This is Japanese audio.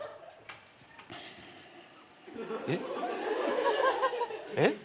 えっ？えっ？